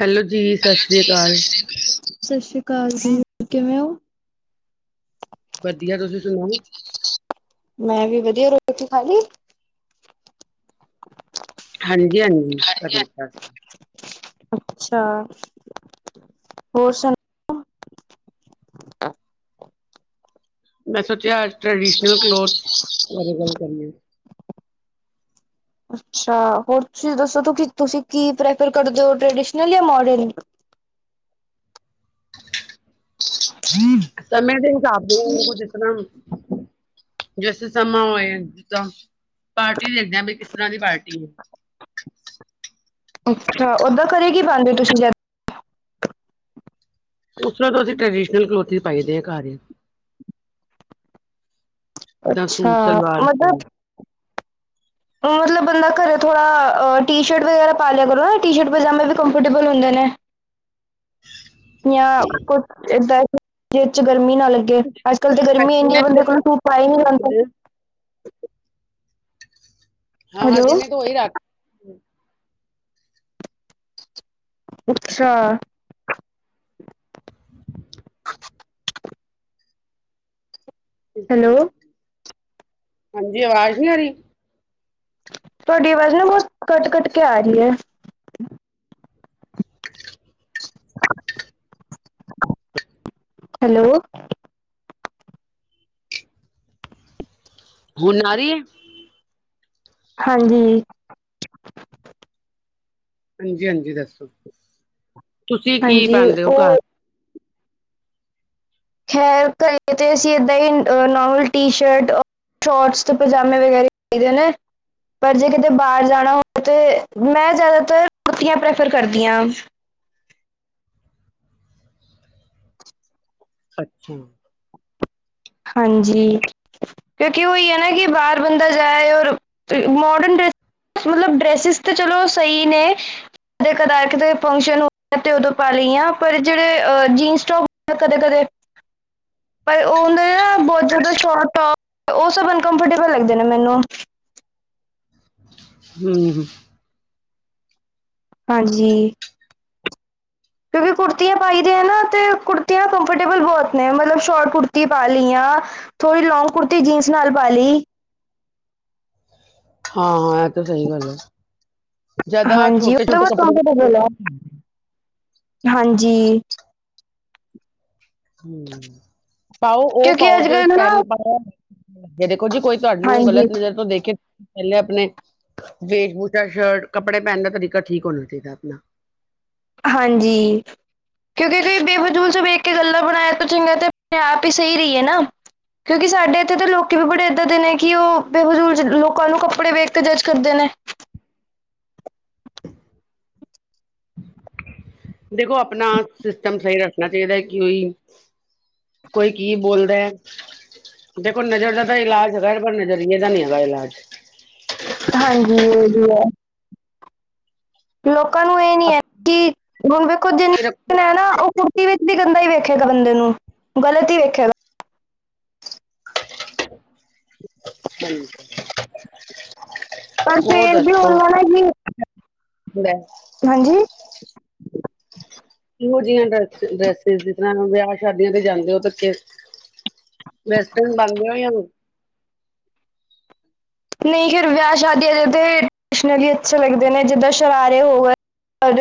Hello ਜੀ ਸਤਿ ਸ੍ਰੀ ਅਕਾਲ ਸਤਿ ਸ਼੍ਰੀ ਅਕਾਲ ਜੀ ਕਿਵੇਂ ਹੋ ਵਧੀਆ ਤੁਸੀਂ ਸੁਣਾਓ ਮੈਂ ਵੀ ਵਧੀਆ ਰੋਟੀ ਖਾਲੀ ਡਿੱਗਿਆ ਨਹੀਂ ਕਰ ਲਿੱਤਾ ਅਸੀਂ। ਅੱਛਾ ਹੋਰ ਸਭ ਮੈਂ ਸੋਚਿਆ ਅੱਜ ਟਰਡੀਸ਼ਨਲ ਕਲੋਥ ਚ ਕੱਲ ਗੱਲ ਕਰਨੀ ਅੱਛਾ ਹੋਰ ਤੁਸੀਂ ਦੱਸੋ ਤੁਸੀਂ ਕੀ ਪ੍ਰੈਫਰ ਕਰਦੇ ਹੋ ਟਰਡੀਸ਼ਨਲ ਜਾਂ ਮੋਡਨ [inaudible] ਸਮੇਂ ਦੇ ਹਿਸਾਬ ਦੇ ਉਹ ਜਿਸ ਤਰ੍ਹਾਂ ਜੈਸੇ ਸਮਾਂ ਹੋਏ ਇਦਾਂ ਪਾਰਟੀ ਦਿੰਦੇ ਵੀ ਕਿਸ ਤਰ੍ਹਾਂ ਦੀ ਪਾਰਟੀ ਹੈ। ਅੱਛਾ ਓਦਾਂ ਘਰੇ ਕੀ ਪਾਂਦੇ ਹੋ ਤੁਸੀਂ ਉਸ ਤਰਾਂ ਹੀ ਅਸੀਂ ਟਰੈਡੀਸ਼ਨਲ ਕਲੋਥੀ ਪਾਈ ਦੇ ਆ ਘਰ ਹੀ ਜਿੱਦਾਂ ਅੱਛਾ ਸੂਟ ਸਲਵਾਰ ਮਤਲਬ ਹੋ ਮਤਲਬ ਬੰਦਾ ਘਰੇ ਥੋੜਾ ਟੀ ਸ਼ਰਟ ਵਗੈਰਾ ਪਾ ਲਿਆ ਕਰੋ ਨਾ ਟੀ ਸ਼ਰਟ ਪਜਾਮੇ ਵੀ ਕੰਫਰਟੇਬਲ ਹੁੰਦੇ ਨੇ ਜਾਂ ਕੁਛ ਏਦਾਂ ਜਿਚ ਗਰਮੀ ਨਾ ਲੱਗੇ ਅੱਜ ਕੱਲ ਤਾਂ ਗਰਮੀ ਇੰਨੀ ਬੰਦੇ ਕੋਲ ਸੂਟ ਪਾਏ ਨਹੀਂ ਜਾਂਦੇ ਗਿਆ। ਹਾਂ ਹਾਂ ਹੈਲੋ, ਜਿੰਨੇ ਤੋਂ ਹੀ ਰਾਤ ਅੱਛਾ। [inaudible] ਹੈਲੋ। [unintelligible] ਹਾਂਜੀ ਆਵਾਜ਼ ਨਹੀਂ ਆ ਰਹੀ ਤੁਹਾਡੀ ਆਵਾਜ਼ ਨਾ ਬਹੁਤ ਕੱਟ ਕੱਟ ਕੇ ਆ ਰਹੀ ਹੈ। [inaudible] ਹੈਲੋ ਹੋਣ ਆ ਰਹੀ ਹਾਂਜੀ ਹਾਂਜੀ ਹਾਂਜੀ ਦੱਸੋ ਤੁਸੀਂ ਕੀ ਹਾਂਜੀ ਪਾਉਂਦੇ ਹੋ ਘਰ ਉਹ ਖੇਰ ਕਰ ਅਸੀਂ ਨੋਰਮਲ ਟੀਸ਼ਰਟ ਸ਼ੋਰਟਸ ਤੇ ਪਜਾਮੇ ਵਗੈਰਾ ਖਰੀਦੇ ਨੇ ਪਰ ਜੇ ਕਿਤੇ ਬਾਹਰ ਜਾਣਾ ਹੋਵੇ ਤੇ ਮੈਂ ਜ਼ਿਆਦਾਤਰ ਕੁੜਤੀਆਂ ਪ੍ਰੈਫਰ ਕਰਦੀ ਹਾਂ। ਅੱਛੇ ਹਾਂਜੀ ਕਿਉਂਕਿ ਉਹੀ ਹੈ ਨਾ ਕਿ ਬਾਹਰ ਬੰਦਾ ਜਾਏ ਔਰ ਮੋਡਰਨ ਡਰੈਸ ਮਤਲਬ ਡਰੈਸਿਸ ਤਾਂ ਚਲੋ ਸਹੀ ਨੇ ਕਦੇ ਕਦਾਰ ਕਿਤੇ ਫੰਕਸ਼ਨ ਹੋ ਤੇ ਉਦੋਂ ਪਾ ਲਈ ਹਾਂ ਪਰ ਜਿਹੜੇ ਜੀਨਸ ਟੋਪ ਕਦੇ ਕਦੇ [inaudible] ਪਰ ਉਹ ਜਦੋਂ ਸ਼ੋਟ ਟੋਪ ਉਹ ਸਭ ਅਨਕੰਫਰਟੇਬਲ ਲੱਗਦੇ ਨੇ ਮੈਨੂੰ ਹੂ,,, ਹਾਂਜੀ ਕਿਉਂਕਿ ਕੁੜਤੀਆਂ ਪਾਈ ਦੀਆਂ ਨਾ ਤੇ ਕੁੜਤੀਆਂ ਕੰਫਰਟੇਬਲ ਬਹੁਤ ਨੇ ਮਤਲਬ ਸ਼ੋਰਟ ਕੁੜਤੀ ਪਾ ਲਈਆਂ ਥੋੜੀ ਲੋਂਗ ਕੁੜਤੀ ਜੀਨਸ ਨਾਲ ਪਾ ਲਈ ਹਾਂ ਹਾਂ ਇਹ ਤਾਂ ਸਹੀ ਗੱਲ ਹੈ ਜਿਆਦਾ ਹਾਂਜੀ ਉਹ ਛੋਟੇ ਤਾਂ ਛੋਟੇ ਬਹੁਤ ਕੱਪੜੇ ਕੰਫਰਟੇਬਲ ਹੈ ਹਾਂਜੀ ਹੂ ਪਾਓ ਉਹ ਕਿਉਂਕਿ ਪਾਓ ਅੱਜ ਜ ਕੱਲ੍ਹ ਨਾ ਪੈਨ ਲ ਦੇਖੋ ਜੀ ਕੋਈ ਤੁਹਾਨੂੰ ਹਾਂਜੀ ਗ਼ਲਤ ਨਜ਼ਰ ਤੋਂ ਦੇਖ ਪਹਿਲੇ ਆਪਣੇ ਵੇਟ ਵਾਟੂ ਸ਼ਲਟ ਕੱਪੜੇ ਪਹਿਨਣੇ ਦਾ ਤਰੀਕਾ ਠੀਕ ਹੋਣਾ ਚਾਹੀਦਾ ਹੈ ਆਪਣਾ ਹਾਂਜੀ ਕੋਈ ਬੇਫਿਜੂਰ ਇੱਕ ਗੱਲ ਬਣਾਇਆ ਇਸ ਤੋਂ ਚੰਗਾ ਆਪ ਹੀ ਸਹੀ ਰਹੀ ਨਾ ਕਿਉਂਕਿ ਸਾਡੇ ਇੱਥੇ ਲੋਕੀ ਵੀ ਇਦਾਂ ਦੇ ਬੇਫਿਜ਼ੂਲ ਲੋਕਾਂ ਨੂੰ ਕੱਪੜੇ ਕਲੇਸ਼ ਕਰ ਦੇ ਨੇ। ਦੇਖੋ ਆਪਣਾ ਸਿਸਟਮ ਸਹੀ ਰੱਖਣਾ ਚਾਹੀਦਾ ਕੀ ਕੋਈ ਕੀ ਬੋਲਦਾ। ਦੇਖੋ ਨਜ਼ਰ ਦਾ ਇਲਾਜ ਹੇਗਾ ਪਰ ਨਜ਼ਰੀਏ ਦਾ ਨਹੀ ਹੇਗਾ। ਹਾਂਜੀ ਵਧੀਆ ਲੋਕਾਂ ਨੂੰ ਇਹ ਨੀ ਹੈ ਆਪਾਂ ਕਿ ਹੁਣ ਵੇਖੋ ਜਿੰਨ ਰੱਖੋ ਹੈ ਨਾ ਉਹ ਵਿੱਚ ਵੀ ਗੰਦਾ ਹੀ ਵੇਖੇਗਾ ਬੰਦੇ ਨੂੰ ਗ਼ਲਤ ਹੀ ਵੇਖੇਗਾ। ਪਰ [inaudible] ਹੋਰ ਫੇਰ ਵੀ ਦੱਸੋ ਉਹਨਾਂ ਨਾ ਕਿ ਬੈ ਹਾਂਜੀ ਇਹੋ ਜਿਹੀਆਂ ਡ ਡਰੈਸਿਸ ਜਿਸ ਤਰ੍ਹਾਂ ਵਿਆਹ ਸ਼ਾਦੀਆਂ ਤੇ ਜਾਂਦੇ ਹੋ ਤੇ ਫਿਰ [unintelligible] ਨਹੀਂ ਫੇਰ ਵਿਆਹ ਸ਼ਾਦੀ ਅਜੇ ਤੇ ਸ਼ਨੀਲ ਅੱਛੇ ਲੱਗਦੇ ਨੇ ਜਿੱਦਾਂ ਸ਼ਰਾਰੇ ਹੋ ਗਏ। ਔਰ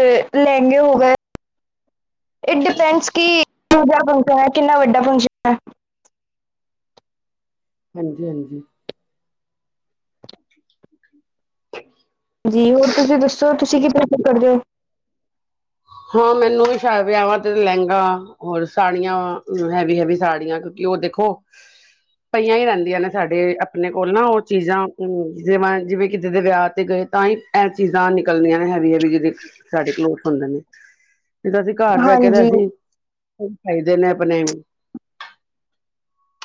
ਲਹਿੰਗੇ ਹੋ ਗਏ। ਇਟ ਡਿਪੈਂਡਸ ਕਿ ਦੂਜਾਕ [unintelligible] ਹੈ ਕਿੰਨਾ ਵੱਡਾ ਫਕਸ਼ਨ ਹੈ। ਹਾਂਜੀ- ਹਾਂਜੀ [inaudible] ਜੀ ਹੋਰ ਤੁਸੀਂ ਦੱਸੋ ਤੁਸੀਂ ਕਿ ਪ੍ਰਫਰ ਕ ਕਰਦੇ ਹੋ। ਹਾਂ ਮੈਨੂੰ ਵੀ ਸ਼ਾਇਦ ਵਿਆਹਾਂ ਤੇ ਲਹਿੰਗਾ ਹੋਰ ਸਾੜੀਆਂ ਹੈਵੀ -ਹੈਵੀ ਸਾੜੀਆਂ ਕਿਉਂਕਿ ਉਹ ਦੇਖੋ ਪਈਆਂ ਹੀ ਰਹਿੰਦੀਆਂ ਨੇ ਸਾਡੇ ਆਪਣੇ ਕੋਲ ਨਾ ਉਹ ਚੀਜ਼ਾਂ ਅਮ ਜਿਵੇ- ਜਿਵੇਂ ਕਿਤੇ ਦੇ ਵਿਆਹ ਤੇ ਗਏ। ਤਾਂ ਹੀ ਇਹ ਚੀਜ਼ਾਂ ਨਿਕਲਦੀਆਂ ਨੇ ਹੈਵੀ- ਹੈਵੀ ਜਿਹਦੇ ਸਾਡੇ ਕੋਲ ਹੁੰਦੇ ਨੇ। ਨਹੀਂ ਤਾਂ ਅਸੀਂ ਘਰ ਰਹਿ ਕੇ ਤੇ ਹਾਂਜੀ ਅਸੀਂ ਖਾਈਦੇ ਨੇ ਆਪਣੇ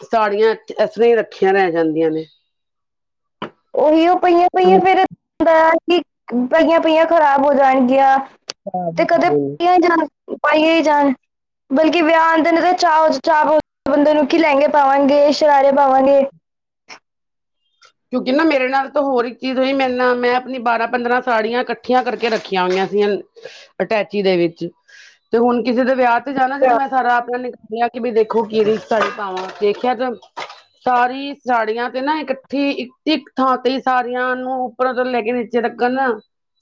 ਸਾੜੀਆਂ ਏਸਰ੍ਹਾਂ ਹੀ ਰੱਖੀਆਂ ਰਹਿ ਜਾਂਦੀਆਂ ਨੇ ਉਹੀਉ ਪਈਆਂ ਪਈਆਂ [inaudible] [unintelligible] ਕਿ ਪਈਆਂ- ਪਈਆਂ ਖ਼ਰਾਬ ਹੋ ਜਾਣਗੀਆਂ। ਤੇ ਕਦੇ [unintelligible] ਜਾਣ ਪਾਈਆਂ ਹੀ ਜਾਣ ਬਲਕਿ ਵਿਆਹ ਆਉਂਦਾ ਨੇ ਤਾਂ ਚਾਹ ਹੋ ਚਾਹ ਬੰਦੇ ਨੂੰ ਕੀ ਲਹਿੰਗੇ ਪਾਵਾਂਗੇ ਸ਼ਰਾਰੇ ਪਾਵਾਂਗੇ। ਕਿਉਂਕਿ ਨਾ ਮੇਰੇ ਨਾਲ ਤਾਂ ਹੋਰ ਇੱਕ ਚੀਜ਼ ਹੋਈ ਮੇਰੇ ਨਾਲ ਮੈਂ ਆਪਣੀ ਬਾਰਾਂ ਪੰਦਰਾਂ ਸਾੜੀਆਂ ਕੱਠ ਇਕੱਠੀਆਂ ਕਰਕੇ ਰੱਖੀਆਂ ਹੋਈਆਂ ਸੀ ਅਟੈਚੀ ਦੇ ਵਿੱਚ ਤੇ ਹੁਣ ਕਿਸੇ ਦੇ ਵਿਆਹ ਜਾਣਾ ਸੀ ਤੇ ਮੈਂ ਸਾਰਾ ਆਪਣਾ ਨਿਕ ਕਿ ਵੀ ਦੇਖੋ ਕਿਹੜੀ ਸਾੜੀ ਪਾਵਾਂ ਦੇਖਿਆ ਤੇ ਸਾਰੀ ਸਾੜੀਆਂ ਤੇ ਨਾ ਇੱਕ ਉਠੀ ਇੱਕ- ਇੱਕ ਥਾਂ ਤੇ ਸਾਰੀਆਂ ਨੂੰ ਉੱਪਰੋਂ ਤੋਂ ਲੈ ਕੇ ਨੀਚੇ ਤਕਣ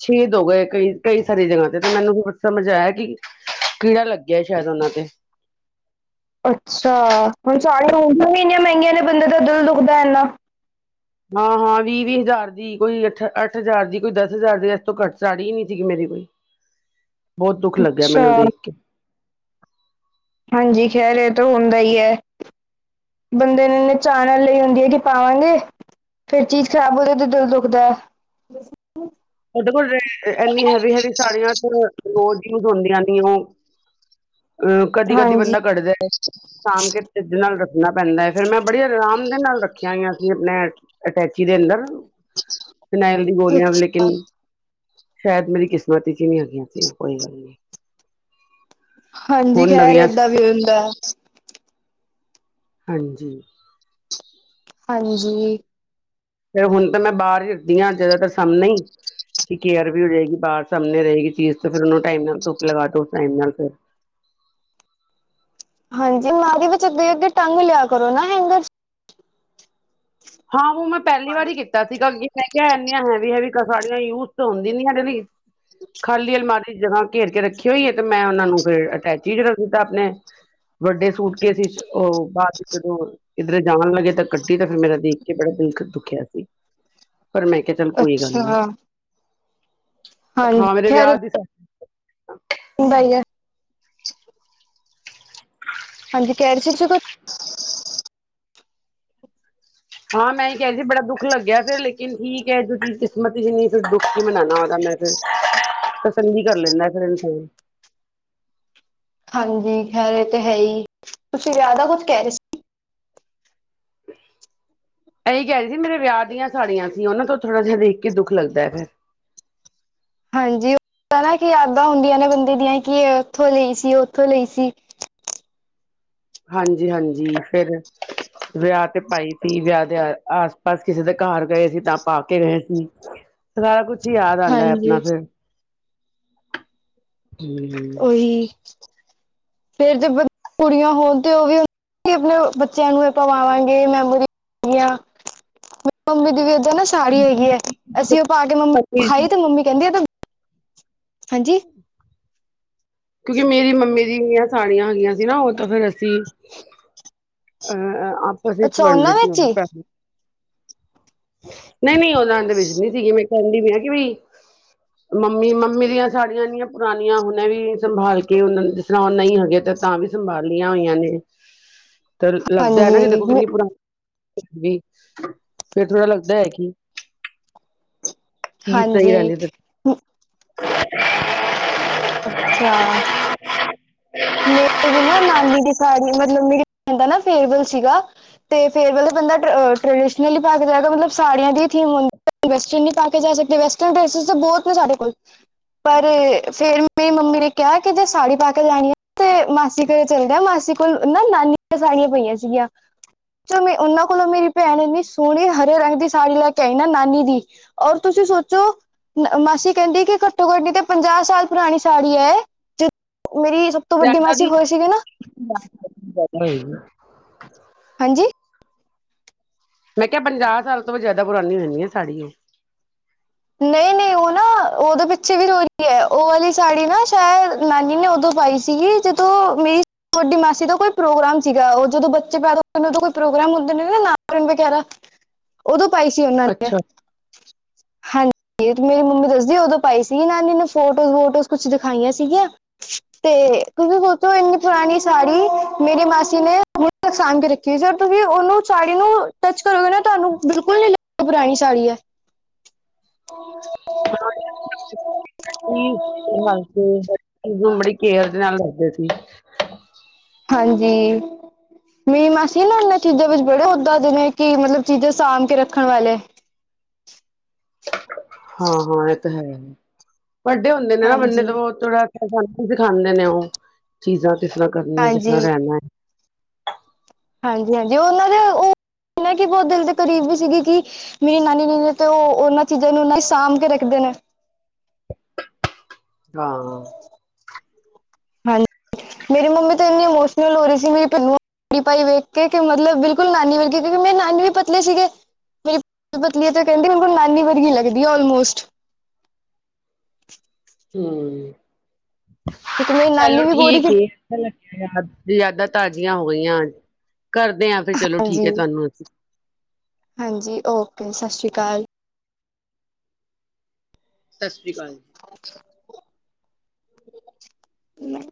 ਛੇਦ ਹੋ ਗਏ ਕਈ -ਕਈ ਸਾਰੀ ਜਗ੍ਹਾ ਤੇ- ਤੇ ਮੈਨੂੰ ਹੋਰ ਸਮਝ ਆਇਆ ਕਿ ਕੀੜਾ ਲੱਗਿਆ ਸ਼ਾਇਦ ਉਹਨਾਂ ਤੇ ਅੱਛਾ ਹੁਣ ਸਾੜੀਆਂ ਆਂਦੀਆ ਇੰਨੀਆਂ ਮਹਿੰਗੀਆਂ ਨੇ ਬੰਦੇ ਦਾ ਦਿਲ ਦੁਖਦਾ ਇੰਨਾ ਹਾਂ -ਹਾਂ ਵੀਹ- ਵੀਹ ਹਜ਼ਾਰ ਦੀ ਕੋਈ ਅੱਠ- ਅੱਠ ਹਜ਼ਾਰ ਦੀ ਕੋਈ ਦਸ ਹਜ਼ਾਰ ਦੀ ਇਸ ਤੋਂ ਘੱਟ ਸਾੜੀ ਹੀ ਨਹੀਂ ਸੀਗੀ ਮੇਰੇ ਕੋਈ ਬਹੁਤ ਦੁੱਖ ਲੱਗਿਆ ਅੱਛਾ ਮੈਨੂੰ ਦੇਖ ਕੇ ਹਾਂਜੀ ਖੈਰ ਇਹ ਤਾਂ ਹੁੰਦਾ ਹੀ ਹੈ। ਬੰਦੇ ਨੇ ਚਾਅ ਨਾਲ ਲਿਆਂਦੀ ਹੈ ਕਿ ਪਾਵਾਂਗੇ। ਫੇਰ ਚੀਜ਼ ਖ਼ਰਾਬ ਹੋ ਜਾ ਤੇ ਦਿਲ ਦੁਖਦਾ ਉਹ ਦੇਖੋ ਕੋਲ ਇੰਨੀ ਹੈਵੀ- ਹੈਵੀ ਸਾੜੀਆਂ ਰੋਜ਼ ਯੂਜ ਹੁੰਦੀਆਂ ਨੇ ਉਹ ਅ ਕਦੀ- ਕਦੀ ਹਾਂਜੀ ਬੰਦਾ ਕੱਢਦਾ। ਸਾਂਭ ਕੇ ਤਰੀਕੇ ਨਾਲ ਰੱਖਣਾ ਪੈਂਦਾ ਹੈ ਫਿਰ ਮੈਂ ਬੜੀ ਆਰਾਮ ਦੇ ਨਾਲ ਰੱਖੀਆਂ ਹੋਈਆਂ ਸੀ ਆਪਣੇ ਅਟੈਚੀ ਦੇ ਅੰਦਰ ਫਿਨਾਇਲ ਦੀ ਗੋਲੀਆਂ ਵੀ ਲੇਕਿਨ ਸ਼ਾਇਦ ਮੇਰੀ ਕਿਸਮਤ 'ਚ ਹੀ ਨਹੀ ਹੈਗੀਆਂ ਸੀ ਉਹ ਕੋਈ ਗੱਲ ਨਹੀ। ਹਾਂਜੀ ਖ਼ੈਰ ਨਵੀਆਂ ਏਦਾਂ ਵੀ ਹੁੰਦਾ। ਹਾਂਜੀ ਹਾਂਜੀ ਮੈ ਹੁਣ ਤਾਂ ਮੈਂ ਬਾਹਰ ਹੀ ਰਖਦੀ ਹਾਂ, ਜਿਆਦਾਤਰ ਸਾਹਮਣੇ ਹੀ ਕਿ ਕੇਅਰ ਵੀ ਹੋ ਜਾਏਗੀ, ਬਾਹਰ ਸਾਹਮਣੇ ਰਹੇਗੀ ਚੀਜ਼, ਤੇ ਫਿਰ ਉਹਨੂੰ ਟਾਈਮ ਨਾਲ ਧੁੱਪ ਲਗਾ ਦੋ, ਉਸ ਟਾਈਮ ਨਾਲ ਫਿਰ ਹਾਂਜੀ ਅਲਮਾਰੀ ਵਿੱਚ ਅੱਗੇ ਅੱਗੇੇ ਟੰਗ ਲਿਆ ਕਰੋ ਨਾ, ਹੇਗਰ ਵਿਚ ਹਾਂ ਉਹ ਮੈਂ ਪਹਿਲੀ ਵਾਰ ਹੀ ਕੀਤਾ ਸੀਗਾ, ਮੈਂ ਕਿਹਾ ਇੰਨੀਆਂ ਹੈਵੀ ਹੈਵੀ ਸਾੜੀਆਂ ਯੂਜ ਤਾਂ ਹੁੰਦੀ ਨੀ, ਹੈ ਨਾ ਵੀ ਹ [unintelligible] ਖਾਲੀ ਅਲਮਾਰੀ ਜਗ੍ਹਾ ਘੇਰ ਕੇ ਰੱਖੀ ਹੋਈ ਹੈ, ਤੇ ਮੈਂ ਉਹਨਾਂ ਨੂੰ ਫਿਰ ਅਟੈਚੀ ਹੀ ਰਖ ਦਿਤਾ ਆਪਣੇ ਵੱਡੇ ਸੂਟਕੇਸ ਇਚ, ਉਹ ਬਾਅਦ ਚ ਜਦੋਂ, ਕਿੱਧਰੇ ਜਾਣਾ ਲੱਗੇ, ਤਾਂ ਕੱਡੀ, ਤਾਂ ਫਿਰ ਮੇਰਾ ਦੇਖ ਕੇ ਬੜਾ ਦਿਲ ਦੁਖਿਆ ਸੀ, ਪਰ ਮੈਂ ਕਿਹਾ ਚੱਲ ਕੋਈ ਗੱਲ ਨੀ ਅੱਛਾ ਹਾਂਜੀ ਹਾਂ ਮੇਰੇ ਵਿਆਹ ਦੀ ਬਣ ਗਯਾ ਹਾਂਜੀ ਕਹਿ ਰਹੇ ਸੀ, ਤੁਸੀਂ ਕੁਛ ਹਾਂ ਮੈਂ ਹੀ ਕੇਹਾ ਕਿ ਬੜਾ ਦੁੱਖ ਲੱਗਿਆ, ਫਿਰ ਲੇਕਿਨ ਠੀਕ ਹੈ, ਜੋ ਚੀਜ਼ ਕਿਸਮਤ ਚ ਨਹੀਂ, ਫਿਰ ਦੁੱਖ ਕੀ ਮਨਾਉਣਾ ਉਹਦਾ ਫਿਰ ਪਸੰਦ ਹੀ ਕਰ ਲੈਂਦਾ, ਫਿਰ ਇਹਨੂੰ ਹਾਂਜੀ ਖੈਰ ਏ ਤੇ ਹੈ ਹੀ ਐ, ਤੁਸੀਂ ਜ਼ਿਆਦਾ ਕੁਝ ਕਹਿ ਰਹੇ ਸੀ। ਇਹੀ ਕਹਿ ਰਹੇ ਸੀ ਮੇਰੇ ਵਿਆਹ ਦੀਆਂ ਸਾੜੀਆਂ ਸੀ, ਉਹਨਾਂ ਤੋਂ ਥੋੜ੍ਹਾ ਜਿਹਾ ਦੇਖ ਕੇ ਦੁੱਖ ਲੱਗਦਾ ਫਿਰ ਹਾਂਜੀ, ਉਹ ਨਾ ਕਿ ਯਾਦਾਂ ਹੁੰਦੀਆਂ ਨੇ ਬੰਦੇ ਦੀਆਂ, ਕਿ ਇਹ ਉੱਥੋਂ ਲਈ ਸੀ, ਉੱਥੋਂ ਲਈ ਸੀ। ਹਾਂਜੀ, ਹਾਂਜੀ ਫਿਰ ਵਿਆਹ ਤੇ ਪਾਈ ਸੀ, ਵਿਆਹ ਦੇ ਆਸ ਪਾਸ ਕਿਸੇ ਦੇ ਘਰ ਗਏ ਸੀ, ਤਾਂ ਪਾ ਕੇ ਗਏ ਸੀ। ਸਾਰਾ ਕੁਛ ਈ ਯਾਦ ਆਉਂਦਾ ਹੈ, ਆਪਣਾ ਹਾਂਜੀ ਫਿਰ ਹਮ ਔ ਹੀ [unintelligible] ਫੇਰ ਤੇ, ਕੁੜੀਆਂ ਹੋਣ ਤੇ, ਉਹ ਵੀ ਅਸੀ ਆਪਣੇ ਬੱਚਿਆਂ ਨੂੰ ਇਹ ਪਵਾਵਾਂਗੇ, ਮੈਮੋਰੀ ਮ ਮੰਮੀ ਦੀ ਏਦ੍ਹਾ ਸਾੜੀ ਹੈਗੀ ਹੈ, ਅਸੀਂ ਉਹ ਪਾ ਕੇ ਮੰਮੀ ਨੂੰ ਦਿਖਾਈ, ਤੇ ਮੰਮੀ ਕਹਿੰਦੀ ਏ, ਏ ਤੇ ਹਾਂਜੀ। ਕਿਉਂਕਿ ਮੇਰੀ ਮੰਮੀ ਜੇਹੜਿਆ ਸਾੜੀਆਂ ਹੈਗੀਆਂ ਸੀ ਨਾ, ਉਹ ਤਾਂ ਫੇਰ ਅਸੀਂ ਅਹ ਆਪ ਅੱਛਾ ਉਹਨਾਂ ਵਿੱਚ ਹੀ [unintelligible] ਨਹੀਂ ਨਹੀਂ ਉਦ ਦੇ ਵਿੱਚ ਨਹੀਂ ਸੀਗੀ ਮੇ ਕਹਿੰਦੀ ਵੀ ਹੈ ਕਿ ਵੀ, ਮੰਮੀ ਮੰਮੀ ਦੀਆਂ ਸਾਡੀਆਂ ਇਨੀਆਂ ਪੁਰਾਣੀਆਂ, ਹੁਨੇ ਵੀ ਸੰਭਾਲ ਕੇ ਉਹਨਾਂ ਨੂੰ, ਜਿਸ ਤਰਹ ਉਹ ਨਹੀਂ ਹੈਗੇ, ਤਾਂ ਵੀ ਸੰਭਾਲੀਆਂ ਹੋਈਆਂ ਨੇ ਤੇ ਲੱਗਦਾ ਹੈ, ਨਾ ਕਿ ਦੇਖੋ ਹਾਂਜੀ ਕਿੰਨੀ ਪੁਰਾਣੀ ਵੀ, ਫੇਰ ਥੋੜਾ ਲੱਗਦਾ ਹੈ ਕਿ ਚੀਜ਼ ਸਹੀ ਹਾਂਜੀ ਰਹਿੰਦੀ, ਤੇ ਅੱਛਾ। ਹ [unintelligible] ਮੇਰੇ ਵੀ ਨਾ ਨਾਨੀ ਦੀ ਸਾੜੀ, ਮਤਲਬ ਮੇਰੀ ਭੈਣ ਦਾ ਨਾ ਫੇਅਰਵਲ ਸੀਗਾ। ਤੇ ਫੇਅਰਵਲ, ਬੰਦਾ ਟਰੈਡੀਸ਼ਨਲ ਹੀ ਪਾ ਕੇ ਜਾਏਗਾ, ਮਤਲਬ ਸਾੜੀਆਂ ਦੀ ਹੀ ਥੀਮ ਹੁੰਦੀ। ਵੈਸਟਰਨ ਨਹੀਂ ਪਾ ਕੇ ਜਾ ਸਕਦੇ, ਵੈਸਟਰਨ ਡਰੈਸਿਸ ਤੇ ਬਹੁਤ ਨੇ ਸਾਡੇ ਕੋਲ ਪਰ ਫੇਰ ਮੇਰੀ ਮੰਮੀ ਨੇ ਕਿਹਾ, ਕਿ ਜੇ ਸਾੜੀ ਪੈ ਕੇ ਜਾਣੀ ਹੈ ਤੇ ਮਾਸੀ ਘਰੇ ਚੱਲੇ ਜਾ, ਮਾਸੀ ਕੋਲ ਨਾ ਨਾਨੀ ਦੀਆ ਸਾੜੀਆਂ ਪਈਆਂ ਸੀਗੀਆਂ। ਚਲੋ ਮੈਂ ਉਹਨਾਂ ਕੋਲੋਂ, ਮੇਰੀ ਭੈਣ ਇੰਨੀ ਸੋਹਣੀ ਹਰੇ ਰੰਗ ਦੀ ਸਾੜੀ ਲੈ ਕੇ ਆਈ ਨਾ, ਨਾਨੀ ਦੀ ਔਰ ਤੁਸੀਂ ਸੋਚੋ? ਮਾਸੀ ਕਹਿੰਦੀ ਕਿ ਘੱਟੋ ਘੱਟ ਨਹੀਂ ਤੇ ਪੰਜਾਹ ਸਾਲ ਪੁਰਾਣੀ ਸਾੜੀ ਹੈ, ਏ ਜੋ ਮੇਰੀ ਤੋਂ ਵੱਡੀ ਜਾਇਦਾ ਮਾਸੀ ਵੀ ਹੋਏ ਸੀਗੇ ਨਾ ਹਾਂਜੀ। ਮੈਂ ਕਿਹਾ ਪੰਜਾਹ ਸਾਲ ਤੋਂ ਜ਼ਿਆਦਾ ਪੁੁਰਾਣੀ ਹੋਣਗੀਆਂ ਸਾੜੀ ਉਹ ਨਹੀਂ ਨਹੀਂ ਉਹ ਨਾ ਉਹਦੇ ਪਿੱਛੇ ਵੀ ਰੋਹੀ ਹੈ, ਉਹ ਵਾਲੀ ਸਾੜੀ ਨਾ ਸ਼ਾਇਦ ਨਾਨੀ ਨੇ ਉਦੋਂ ਪਾਈ ਸੀਗੀ, ਜ ਤ ਮੇਰੀ ਵਡੀ ਮਾਸੀ ਦਾ ਕੋਈ ਪ੍ਰੋਗਰਾਮ ਸੀਗਾ, ਉਹ ਜਦੋਂ ਬੱਚੇ ਪੈਦਾ ਹੋੁੰਦੇ ਨੇ, ਉਦੋਂ ਕੋਈ ਪ੍ਰੋਗਰਾਮ ਹੁੰਦੇ ਨੇ ਨਾਟਣ ਵਗੈਰਾ [unintelligible] ਉਦੋਂ ਪਾਈ ਸੀ ਉਹਨਾਂ ਨੇ ਅੱਛਾ। ਹਾਂਜੀ ਮੇਰੀ ਮੰਮੀ ਦੱਸਦੀ ਉਦੋਂ ਪਾਈ ਸੀਗੀ ਨਾਨੀ ਨੇ ਫੋਟੋਜ਼ ਵੋਟੋਸ ਕੁਛ ਦਿਖਾਈਆਂ ਸੀਗੀਆਂ ਹ ਤੇ ਤੁਸੀਂ ਸੋਚੋ ਇੰਨੀ ਪੁਣੀ ਸਾੜੀ ਮੇਰੀ ਮਾਸੀ ਨੇ ਬਤ ਨੁਕਸਾਨ ਰੱਖੀ ਕੀ ਸਰ ਤੁਸੀਂ ਉਹਨੂੰ ਸਾੜੀ ਨੂੰ ਟੱਚ ਕਰੋਗੇ ਨਾ ਤੁਹਾਨੂੰ ਬਿਲਕੁਲ ਨੀ ਲ ਪੁਰਾਣੀ ਸਾੜੀ ਹੈ [unintelligible] ਹਲਕੇ ਚੀਜ਼ ਨੂੰ ਬੜੀ ਕੇਰ ਦੇ ਨਾਲ ਲੜਦੇ ਸੀ ਹਾਂਜੀ ਮੀਮ ਮਸੀ ਨਾ ਇਹਨਾਂ ਚੀਜ਼ਾਂ ਵਿੱਚ ਬੜੇ ਉੱਦਾਂ ਦੇ ਨੇ ਕਿ ਮਤਲਬ ਚੀਜ਼ਾਂ ਸਾਂਭ ਕੇ ਰੱਖਣ ਵਾਲੇ [unintelligible] ਹਾਂ ਹਾਂ ਇਹ ਤਾਂ ਹੈ ਵੱਡੇ ਹੁੰਦੇ ਨੇ ਨਾ ਬੰਨੇ ਤਾਂ ਹਾਂਜੀ, ਬਹੁ ਥੋੜਾ ਸਾਨੂੰ ਦਿਖਾਉਦੇ ਨੇ ਉਹ ਚੀਜ਼ਾਂ ਕਿਸ ਤਰ੍ਹਾਂ ਕਰਨੀੀਆਂ ਕਿਸ ਹਾਂਜੀ, ਤਰ੍ਹਾਂ ਰਹਿਣਾ ਹਾਂਜੀ ਹਾਂਜੀ ਉਹਨਾਂ ਦੇ ਉਹ ਨਾ ਕਿ ਬਹੁਤ ਦਿਲ ਦੇ ਕਰੀਬ ਵੀ ਸੀਗੀ ਕਿ ਮੇਰੀ ਨਾਨੀ ਨੀ ਨੇ ਤੇ ਉਹ ਉਹਨਾਂ ਚੀਜ਼ਾਂ ਨੂੰ ਸਾਂਭ ਕੇ ਰੱਖਦੇ ਨੇ ਹਾਂ ਹਾਂਜੀ ਮੇਰੀ ਮੰਮੀ ਤਾਂ ਇੰਨੀ ਇਮੋਸ਼ਨਲ ਹੋ ਰਹੀ ਸੀ ਮੇਰੀ ਪਿੰਨ ਪੜੀ ਭਾਈ ਵੇਖ ਕੇ ਮਤਲਬ ਬਿਲਕੁਲ ਨਾਨੀ ਵੇਖ ਕੇ ਕਿਉਂਕਿ ਮੇਰੀ ਨਾਨੀ ਵੀ ਪਤਲੇ ਸੀਗੇ ਮੇਰੀ ਪਤਲੀ ਤਾਂ ਕਹਿੰਦੀ ਮੈਨੂੰ ਨਾਨੀ ਵਧੀਆ ਲਗਦੀ ਆਲਮੋਸਟ ਹਮ ਕਿਉਂਕਿ ਮੇਰੀ ਨਾਨੀ ਚਲੋ ਵੀ ਗੋਰੀ ਠੀਕ ਹੈ ਲੱਾਦ ਯਾਦਾਂ ਤਾਜ਼ੀਆਂ ਹੋ ਗਈਆਂ ਕਰਦੇ ਹਾਂ ਫਿਰ ਚਲੋ ਠੀਕ ਹਾਂਜੀ, ਹੈ ਤੁਹਾਨੂੰ ਅਂ ਹਾਂਜੀ ਓਕੇ ਸਤਿ ਸ਼੍ਰੀ ਅਕਾਲ ਸਤਿ ਸ਼੍ਰੀ ਅਕਾਲ ਜੀ ਨਹੀਂ